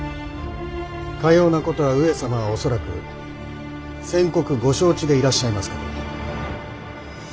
かようなことは上様は恐らく先刻ご承知でいらっしゃいますかと。